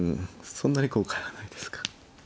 そんなに後悔はないですか。